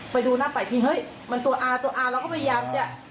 ไปดูหน้าฝ่ายที่เฮ้ยมันตัวอาตัวอาเราก็พยายามจะ